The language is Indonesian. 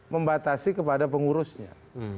membatasi kepada pengurusnya